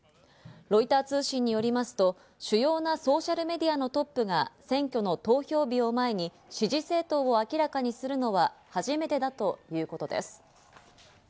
ロイター通信によりますと、主要なソーシャルメディアのトップが選挙の投票日を前に支持政党を明らかにするのは初めてだということです。